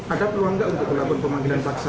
ada peluang nggak untuk melakukan pemanggilan paksa